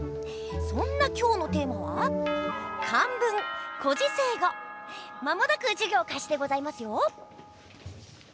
そんな今日のテーマは間もなく授業開始でございますよ。